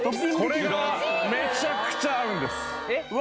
これがめちゃくちゃ合うんですうわ